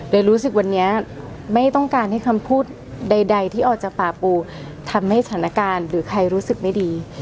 รู้สึกวันนี้ไม่ต้องการให้คำพูดใดที่ออกจากป่าปูทำให้สถานการณ์หรือใครรู้สึกไม่ดี